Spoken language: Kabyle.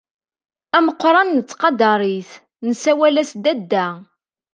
Ameqqran nettqadar-it, nessawal-as Dadda.